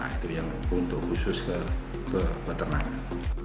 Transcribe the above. itu yang untuk khusus ke peternakan